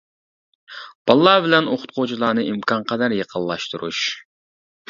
بالىلار بىلەن ئوقۇتقۇچىلارنى ئىمكان قەدەر يېقىنلاشتۇرۇش.